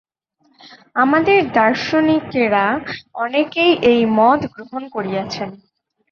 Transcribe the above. আমাদের দার্শনিকেরা অনেকেই এই মত গ্রহণ করিয়াছেন।